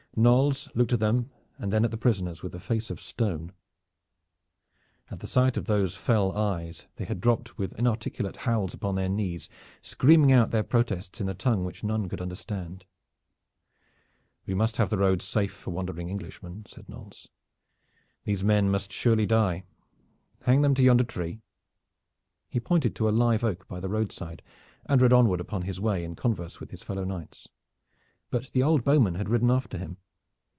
Knolles looked at them and then at the prisoners with a face of stone. At the sight of those fell eyes they had dropped with inarticulate howls upon their knees, screaming out their protests in a tongue which none could understand. "We must have the roads safe for wandering Englishmen," said Knolles. "These men must surely die. Hang them to yonder tree." He pointed to a live oak by the roadside, and rode onward upon his way in converse with his fellow knights. But the old bowman had ridden after him.